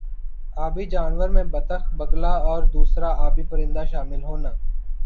آبی جانور میں بطخ بگلا اور دُوسْرا آبی پرندہ شامل ہونا